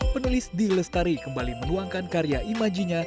penulis d lestari kembali menuangkan karya imajinya